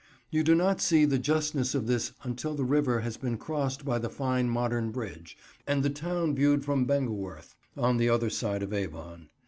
You do not see the justness of this until the river has been crossed by the fine modern bridge, and the town viewed from Bengeworth, on the other side of Avon.